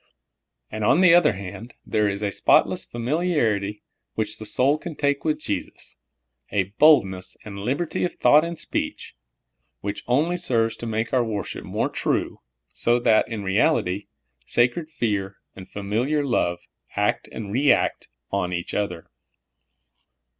And, on the other hand, there is a spotless familiar ity which the soul can take with Jesus — a boldness and libert}^ of thought and speech — which only ser^ es to make our worship more true, so that, in realit}', sacred fear and familiar love act and react on each other.